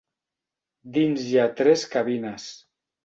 Dins hi ha tres cabines.